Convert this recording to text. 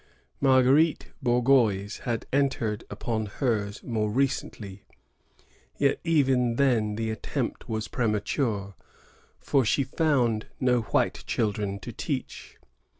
Marguerite Bourgeoys had entered upon hers more recently; yet even then the attempt was premature, for she found no white children to teach.